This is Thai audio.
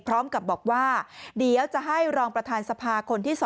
พร้อมกับบอกว่าเดี๋ยวจะให้รองประธานสภาคนที่๒